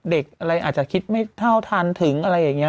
เด็กอะไรอาจจะคิดไม่เท่าทันถึงอะไรอย่างนี้